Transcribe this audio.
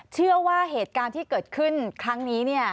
เชื่อว่าเหตุการณ์ที่เกิดขึ้นครั้งนี้